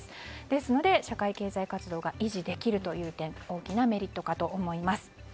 ですので、社会経済活動が維持できるという点が大きなメリットかと思います。